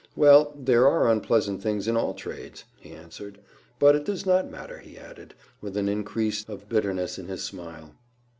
"Well, there are unpleasant things in all trades," he answered. "But it does not matter," he added, with an increase of bitterness in his smile.